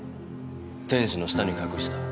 「天使の下に隠した」。